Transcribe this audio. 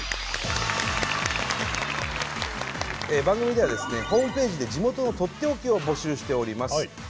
番組ではですねホームページで地元のとっておきを募集しております。